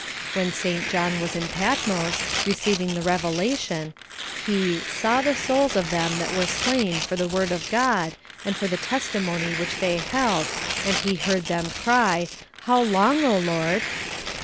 When St. John was in Patmos, receiving the revela tion, he " saw the souls of them that were vslain for the word of God, and for the testimony which they held, and he heard them cr} ,' How long, O Lord?